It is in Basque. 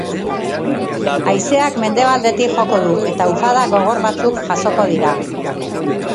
Haizeak mendebaldetik joko du, eta ufada gogor batzuk jasoko dira.